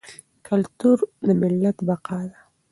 کلتور د ملت بقا ده.